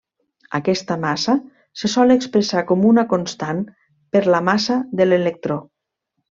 Aquesta massa se sol expressar com una constant per la massa de l'electró.